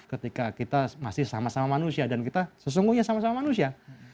ketika kita masih sama sama manusia dan kita sesungguhnya sama sama manusia